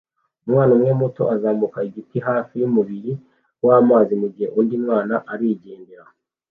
Umwana umwe muto azamuka igiti hafi yumubiri wamazi mugihe undi mwana arigendera